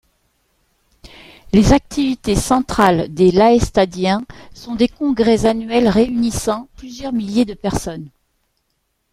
Les activités centrales des Laestadiens sont des congrès annuels réunissant plusieurs milliers de personnes.